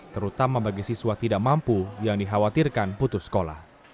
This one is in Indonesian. terutama bagi siswa tidak mampu yang dikhawatirkan putus sekolah